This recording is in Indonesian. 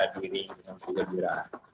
diri yang juga dirah